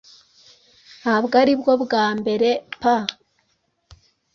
Ntabwo aribwo bwa mberepa